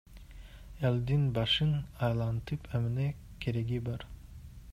Элдин башын айлантып эмне кереги бар?